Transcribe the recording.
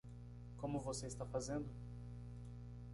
Como você está fazendo?